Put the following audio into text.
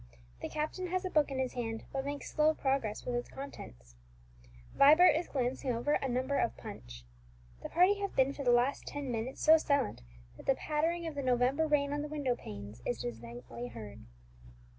The captain has a book in his hand, but makes slow progress with its contents. Vibert is glancing over a number of Punch. The party have been for the last ten minutes so silent that the pattering of the November rain on the window panes is distinctly heard.